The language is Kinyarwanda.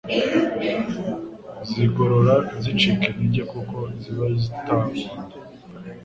z’igogora zicika intege kuko ziba zitabonye